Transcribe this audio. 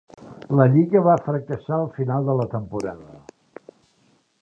La lliga va fracassar al final de la temporada.